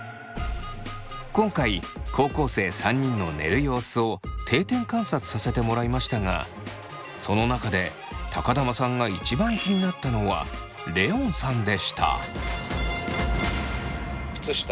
今回高校生３人の寝る様子を定点観察させてもらいましたがその中で玉さんがいちばん気になったのはレオンさんでした。